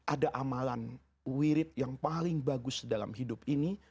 ada amalan wirid yang paling bagus dalam hidup ini